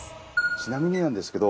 ちなみになんですけど。